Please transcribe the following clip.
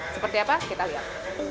seperti apa kita lihat